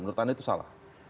menurut anda itu salah